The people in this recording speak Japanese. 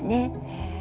へえ。